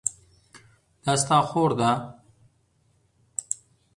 دا ستا خور ده؟